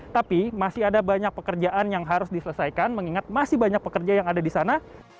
tapi masih ada banyak pekerjaan yang harus diselesaikan mengingat masih banyak pekerja yang ada di sana